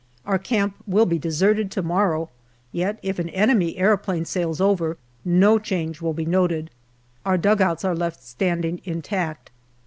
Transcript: Our camp will be deserted to morrow, yet if an enemy aeroplane sails over, no change will be noted. Our dugouts are left standing intact.